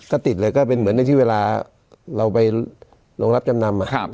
ก็ติดเลยก็เป็นเหมือนในที่เวลาเราไปโรงรับจำนำ